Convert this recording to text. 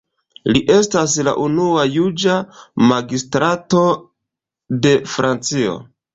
Li estas la unua juĝa magistrato de Francio.